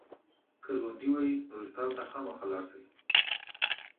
که ژوندي وئ نورستان ته خامخا لاړ شئ.